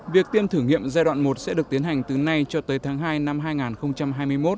việc tiêm thử nghiệm giai đoạn một sẽ được tiến hành từ nay cho tới tháng hai năm hai nghìn hai mươi một